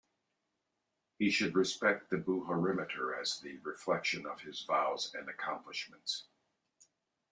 He should respect the Buharimeter as the reflection of his vows and accomplishments.